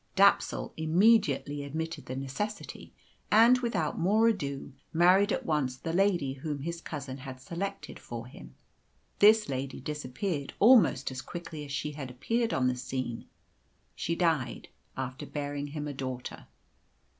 Dapsul immediately admitted the necessity, and, without more ado, married at once the lady whom his cousin had selected for him. This lady disappeared almost as quickly as she had appeared on the scene. She died, after bearing him a daughter.